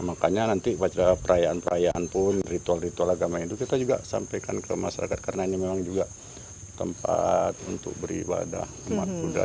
makanya nanti pada perayaan perayaan pun ritual ritual agama itu kita juga sampaikan ke masyarakat karena ini memang juga tempat untuk beribadah umat buddha